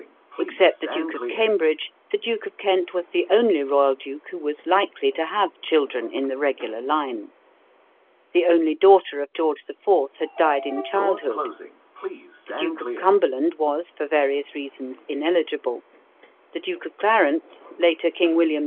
Except the Duke of Cambridge, the Duke of Kent was the only royal duke who was likely to have children in the regular line. The only daughter of George IV. had died in childhood. The Duke of Cumberland was for various reasons ineligible; the Duke of Clarence, later King William IV.